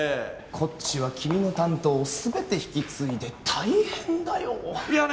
こっちは君の担当を全て引き継いで大変だよいやね